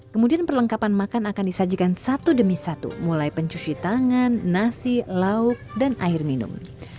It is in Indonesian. kemudian perlengkapan makan akan disajikan satu demi satu mulai pencuci tangan nasi lauk dan air minum